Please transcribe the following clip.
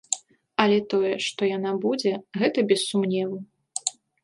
Але тое, што яна будзе, гэта без сумневу.